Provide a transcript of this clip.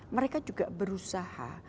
mereka juga berusaha